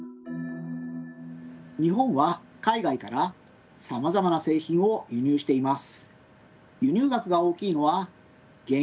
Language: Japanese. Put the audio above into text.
日本は海外からさまざまな製品を輸入しています。